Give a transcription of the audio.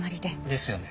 ですよね